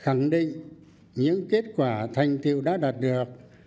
khẳng định những kết quả thành tiêu đã đạt được